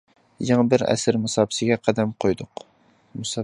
يېڭى بىر ئەسىر مۇساپىسىگە قەدەم قويدۇق.